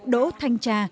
đỗ thanh trà